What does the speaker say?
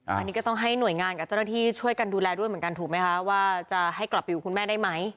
อันนี้ก็ต้องให้หน่วยงานกับเจ้าหน้าที่ช่วยกันดูแลด้วยเหมือนกันถูกไหมคะว่าจะให้กลับไปอยู่กับคุณแม่ได้ไหม